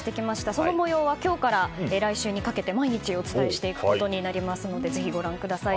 その模様は今日から来週にかけて毎日お伝えしていくことになりますのでぜひご覧ください。